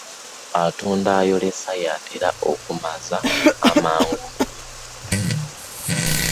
Atunda ayolesa y'atera okumaza amangu.